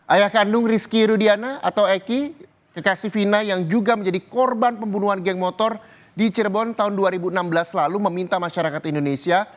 ayah kandung rizky rudiana atau eki kekasih fina yang juga menjadi korban pembunuhan geng motor di cirebon tahun dua ribu enam belas lalu meminta masyarakat indonesia